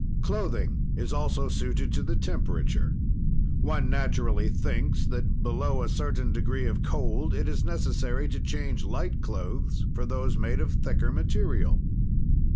"Clothing is also suited to the temperature. "One naturally thinks that, below a certain degree of cold, it is necessary to change light clothes for those made of thicker material.